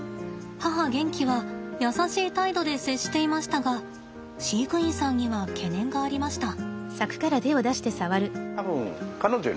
母ゲンキは優しい態度で接していましたが飼育員さんには懸念がありました。